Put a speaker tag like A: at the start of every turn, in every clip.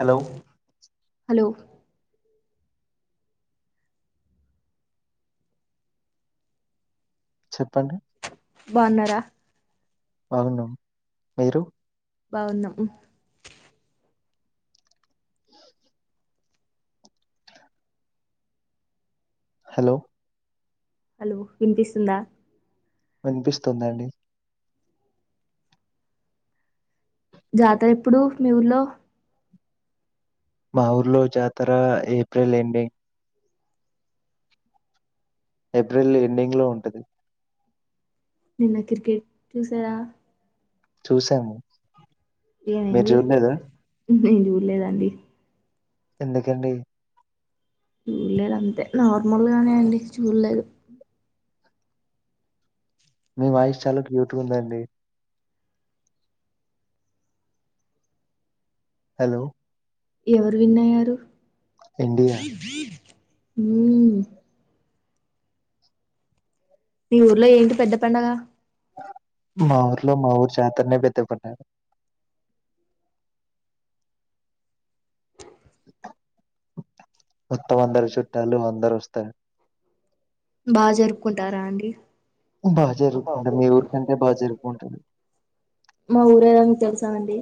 A: Hello hello
B: అంటే బాగున్నాం మీరు
A: బాగున్నాం
B: [inaudible] హలో
A: హలో వినిపిస్తుందా
B: వినిపిస్తుందండి
A: జాతర ఎప్పుడు మీ ఊర్లో
B: మా ఊర్లో జాతర ఏప్రిల్ ఎండింగ్ ఏప్రిల్ ఎండింగ్ లో ఉంటది
A: నిన్న క్రికెట్ చూసార
B: చూసాము మీరు చూడలేద
A: మేం చూడలేదండి
B: ఎందుకండి
A: చూడలేదు అంతే నార్మల్గానే అండి చూడలేదు
B: మీ వాయిస్ చాలా క్యూట్ గా ఉందండి హలో
A: ఎవరు విన్ అయ్యారు ఉమ్
B: మీ ఊర్లో ఏ పెద్ద పండుగ మా ఊర్లో మా ఊరి జాతరనే పెద్ ంట మొత్తం అందరు చుట్టాలు అందరు వస్తరా
A: బాగా జరుపుకుంటారా అండి [unintelligible] మా ఊరేదో తెలుసా అండి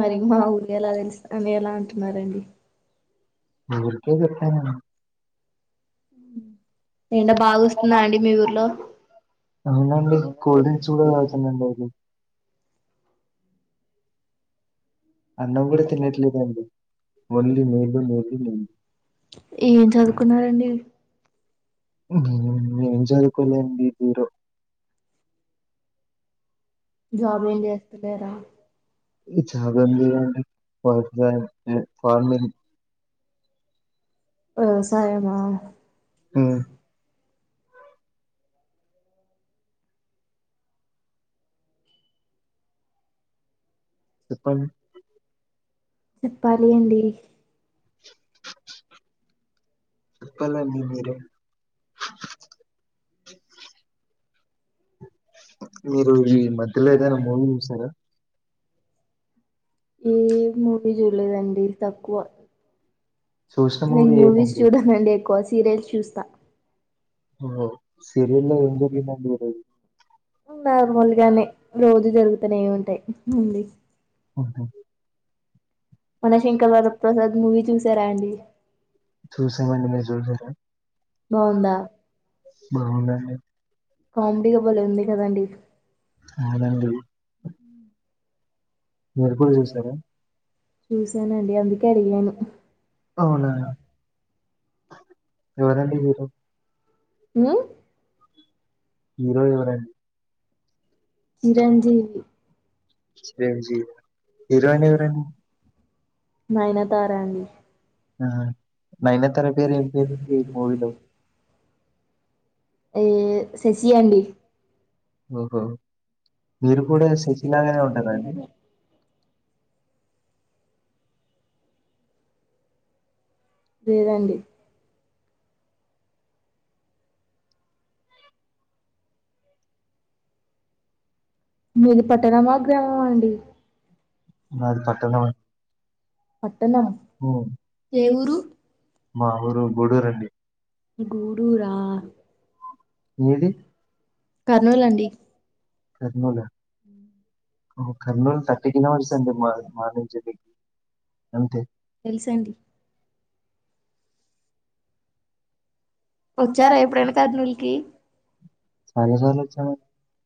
A: మరి మా ఊరు ఎలా తెలుసా అని ఎలా అంటున్నారండి.
B: ఊరికే చెప్పానండి
A: ఎండ బాగా వస్తుందా అండి మీ ఊర్లో
B: అన్నం కూడా తినట్లేదండి ఓన్లీ నీళ్లు నీల్ ఉ
A: ఏం చదువుకున్నారండి
B: ఉహ ఏం చదువుకోలేదండి జీరో
A: జాబ్ ఏం చేస్తలేరా
B: జాబ్ ఏం లేదండి [unintelligible] ఆ ఫార్మింగ్
A: వ్యవసాయమా
B: చెప్పండి
A: చెప్పాలి అండి
B: చెప్పల మీ మీరే మీరు ఈ మధ్యల ఏదైనా మూవీస్ చూశారా
A: ఏ మూవీ చూడలేదండి తక్కువ నేను మూవీస్ చూడంనండి ఎక్కువ సీరియల్స్ చూస్తా
B: ఓ
A: నార్మల్గానే రోజు జరుగుతనే ఏ ఉంటాయి వుంది
B: ఓహో
A: మనశంకర్ వర ప్ర్రసాద్ మూవీ చూసారా అండి బాగుందా
B: బాగుంది అండి
A: కామెడీగా భలే ఉంది కదండి చూసానండి అందుకే అడిగాను
B: అవునా ఎవరు అండి మీరు హీరో ఎవరండి
A: చిరంజీవి
B: చిరంజీవి ఆ
A: నయనతారా అండి
B: ఆ నైనతార పేరు ఏం పేరు అండి ఈ మూవీలో
A: ఏ శశి అండి
B: ఓహో మీరు కూడా శశిలాగానే ఉంటారా అండి
A: లేేదండి మీది పట్టణమా గ్రామమా అండి
B: నాది పట్టణం
A: పట్టణం ఏ ఊరు
B: మా ఊరు గుడూరు అండి
A: గూడూరా కర్నూలు అండి
B: కర్నూలు ఆ ఓ కర్నూర్ థర్టీ కిలోమీటర్స్ అండి మా మా నుంచి మీకి అంతే
A: తెలుసు అండి వచ్చారా ఎప్పుడైనా కర్నూల్ కి
B: చాలా సార్లు వచ్చాను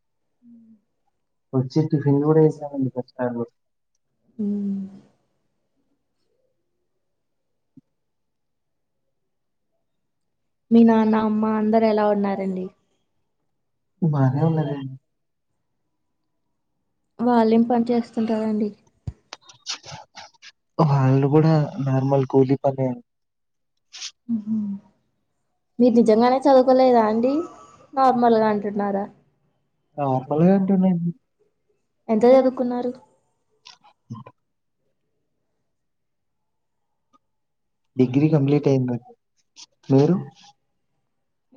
A: [inaudible] ఉమ్ మీ నాన్న అమ్మ అందరూ ఎలా ఉన్నారండి
B: బానే ఉన్నారన్
A: వాళ్లేం పని చేస్తుంటారండి
B: వాళ్ళు కూడా నార్మల్ కూలీ పనే
A: ఊహు మీరు నిజంగానే చదువుకోలేదా అండి నార్మల్గా అంటున్నారా ఎంత చదువుకున్నారు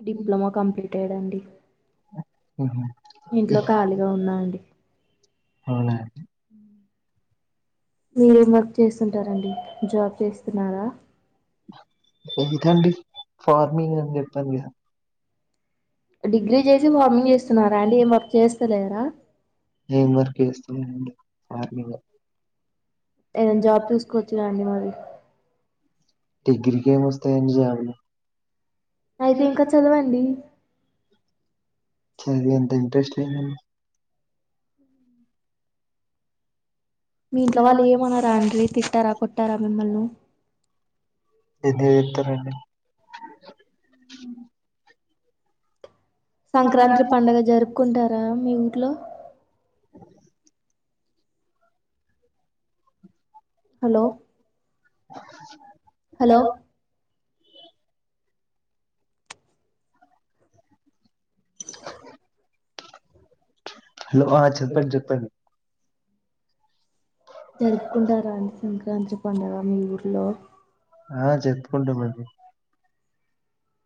A: డిప్లొమా కంప్లీటెడ్ అండి ఇంట్లో ఖాళీగా ఉన్నా అండి.
B: ఔనా [inaudible]
A: మీరేం వర్క్ చేస్తుంటారండి జాబ్ చేస్ తిన్నారా
B: ఎందుకండి ఫార్మింగ్ అని జెప్పాన్ గద
A: డిగ్రీ జేసి ఫార్మింగ్ చేస్తున్నారా అండి ఏం వర్క్ చేస్తలేరా
B: ఊహు [inaudible]
A: ఏదన్నా జాబ్ చూసుకొచ్చుగా అండి మరి
B: డిగ్రీకి ఏం వస్తాయండి జాబ్ లు
A: అయితే ఇంకా చదవండి
B: చదివే అంత ఇంట్రెస్ట్ లేదం
A: మీ ఇంట్లో వాళ్ళు ఏమనరా అండి తిష్టరా కొట్ ట్టరా మిమ్మల్ని
B: ఎందుకు తిడతారండి
A: సంక్రాంత్రి పండుగ జరుపుకుంటరా మీ ఊర్లో హలో హలో
B: హలో ఆ చెప్పండి చెప్పండి
A: జరుపుకుంటార అండి సంక్రాంత్రి పండగ మీ ఊర్లొ
B: ఆ చెప్పుకుంట‌ బోండి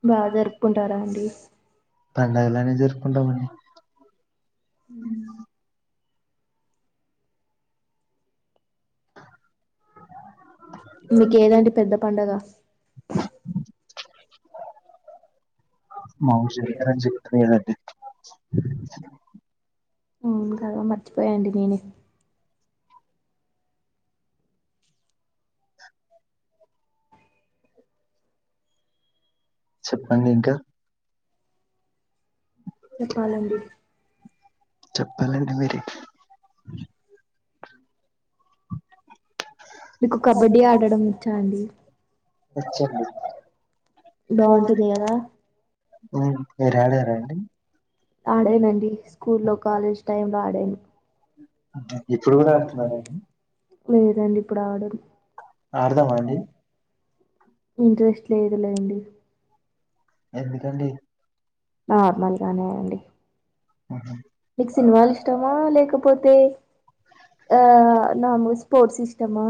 A: బాగా జరుపుకుంటర అండి.
B: పండగలు అన్సి జరుపుకుంటామండి
A: ఊహు హు మీకేదండి పెద్ద పండగ
B: [inaudible] మాఊరి శరిత్ర న్ జెపితె యే దండి పోవచ్చ
A: ఆ‌ కదా మర్చిపోయ అండి నేనె
B: చెప్పండి ఇంకా
A: చెప్పాలండి
B: చెప్పాలంటె మీరే [inaudible]
A: మీకు కబడ్డీ ఆడడం వచ్చా అండి
B: వచ్చండి
A: బాగుంటుంది గదా ఆడానండి స్కూ లో కాలేజ్ టైం లో ఆడాను లేదండి ఇప్పుడు ఆడను
B: ఆర్ధమ అండి
A: ఇంట్రెస్ట్ లేదు లేండి
B: ఎందుకండి
A: నార్మల్గానే అండి మీకు సినిమాలు ఇష్టమా లేకపోతే ఆ నార్మల్ స్పోర్ట్స్ ఇష్టమా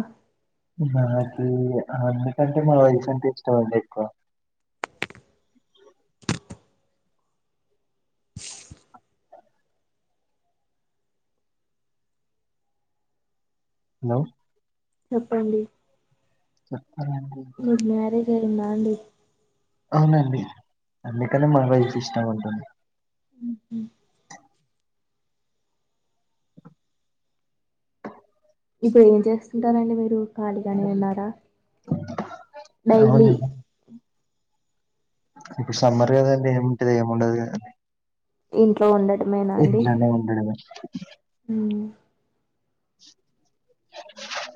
B: హలో
A: చెప్పండి మీకు మ్యారేజ్ ఐందా అండీ
B: అందుకనే మా వైఫ్ ఇష్టం అంటున్న
A: ఇప్పుడు ఏం చేస్తుంటారండి మీరు ఖాళీగానే ఉన్నారా డైలీ
B: ఇప్పుడు సమ్మర్ గదండీ ఏంటది ఏముండదు గద ఫ్రీగనా ఇంట్లనే ఉండడమే ఊ అ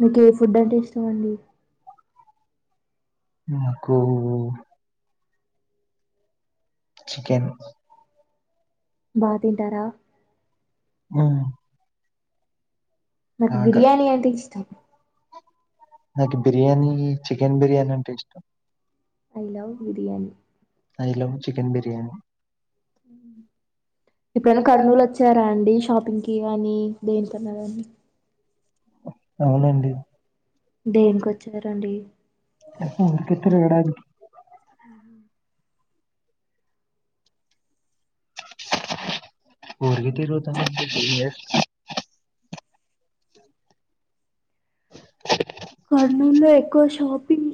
A: మీకు ఏ ఫుడ్ అంటే ఇష్టం అండి
B: నాకు చికెన్
A: బా తింటారా
B: ఆ
A: నాకు బిర్యాణి అంటే ఇష్టం
B: నాకి బిర్యానీ చికెన్ బిర్యానీ అంటే ఇష్టం I love chicken biryani
A: um ఎప్పుడైనా కర్నూలు వచ్చారా అండి షాపింగ్కి గానీ దేంకొన్నరని దేనికొచ్చారండి
B: నెక్స్ట్ మంత్ కితడు ఏడాదికి
A: ఉహు
B: ఊరికె తిరుగుతానండి జీనియస్
A: కర్నూలు లో ఎక్కువ షాపింగ్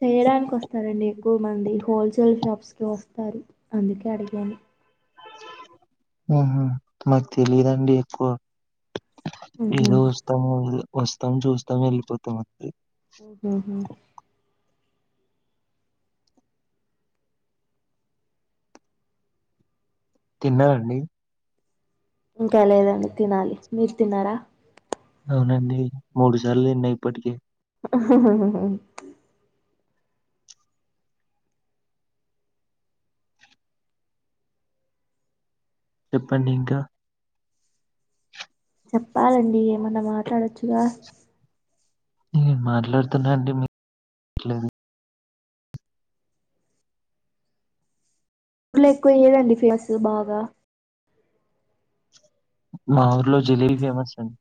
A: చేయడానికి వస్తారండి ఎక్కువ మంది హోల్స్ సెల్ షాప్స్కి వస్తారు అందుకే అడిగాను
B: ఆహా మాకు తెలీదండి ఎక్కువ ఏదో అస్తము ఇగ వస్తాం చూస్తాం వెళ్ళిపోతాం అంతే
A: ఉహు హు
B: తిన్నారండి
A: ఇంకా లేదండి తినాలి మీరు తిన్నారా
B: అవునండి మూడుష్ దల్ తిన్న ఇప్పటికె
A: ఉహు హు హు
B: చెప్పండి ఇంకా
A: చెప్పాలండి ఏమన్న మాట్లాడొచ్చుగా
B: నే మాట్లాడుతున్నాండి మీక్ లేదు
A: ఉలో ఎక్కువ ఏదండి ఫేమస్ బాగా
B: మా ఊర్లో జిలేబీ ఫేమస్ అండి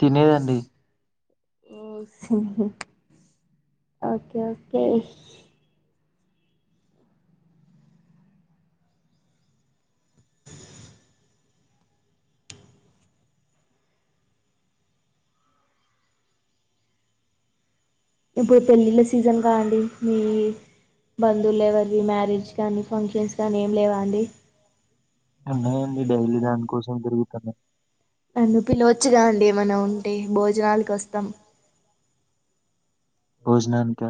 A: తినేదండి ఓ ఉహుహు ఓకే ఓకే ఇప్పుడు పెళ్ళిళ్ళ సీజన్ కా అండి మీ బంధువులు ఎవ్వరివి మ్యారేజ్ కానీ, ఫంక్షన్స్ కానీ ఏమి లేవా అండి.
B: ఉన్నాయండి డైలీ దానికోసం తిరుగు తను
A: నన్ను పిల్లవొచ్చుగా అండి ఏమైనా ఉంటే భోజనాలకు వస్తాం.
B: భోజనానిక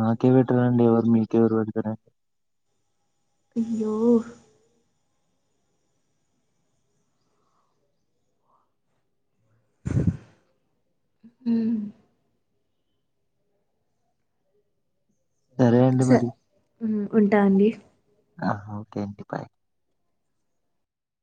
B: మాకే పెట్టరండి ఎవరు మీకెవరు పెడతారం
A: అయ్యో ఉ స ఉ ఉంటా అండి
B: ఆ ఓకే అండి బై